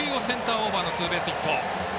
オーバーのツーベースヒット。